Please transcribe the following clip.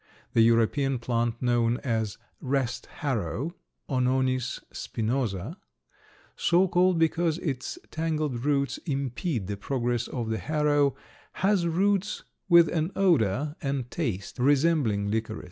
The European plant known as "rest harrow" (Ononis spinosa), so called because its tangled roots impede the progress of the harrow, has roots with an odor and taste resembling licorice.